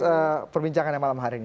atas perbincangan yang malam hari ini